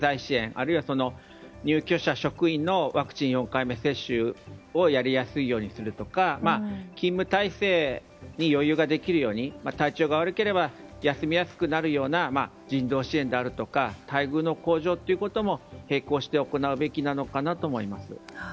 あるいは入居者・職員のワクチン４回目接種をやりやすいようにするとか勤務体制に余裕ができるように体調が悪ければ休みやすくなるような支援であるとか待遇の向上ということも並行して行うべきなのかなと思います。